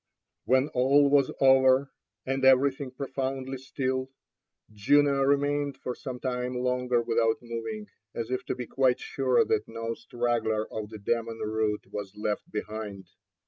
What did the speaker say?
When all was over and everything profoundly still, Juno remained for some time longer without moving, as if to be quite sure that no straggler of the demon rout was left behind.